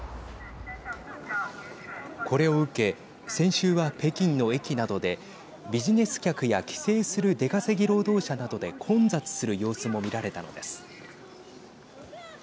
これを受け先週は北京の駅などでビジネス客や帰省する出稼ぎ労働者などで混雑する様子も見られたのです。